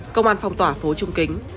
công an phòng tỏa phố trung kính